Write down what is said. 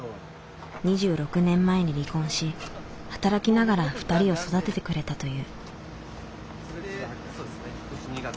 ２６年前に離婚し働きながら２人を育ててくれたという。